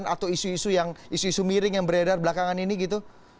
atau isu isu yang isu isu miring yang beredar belakangan ini gitu